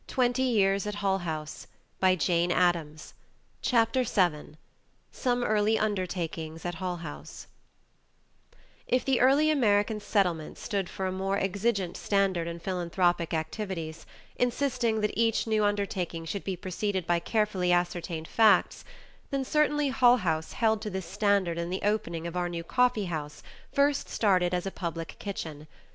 128 153. [Editor: Mary Mark Ockerbloom] CHAPTER VII SOME EARLY UNDERTAKINGS AT HULL HOUSE If the early American Settlements stood for a more exigent standard in philanthropic activities, insisting that each new undertaking should be preceded by carefully ascertained facts, then certainly Hull House held to this standard in the opening of our new coffee house first started as a public kitchen.